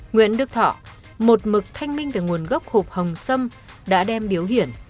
nguyễn đức thọ một mực thanh minh về nguồn gốc hộp hồng sâm đã đem biếu hiển